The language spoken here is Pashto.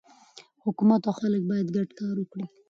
حکومت او خلک باید ګډ کار وکړي.